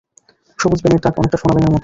সবুজ ব্যাঙের ডাক অনেকটা সোনা ব্যাঙের মতো।